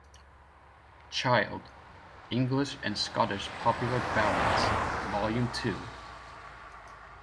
Child, "English and Scottish Popular Ballads", ii.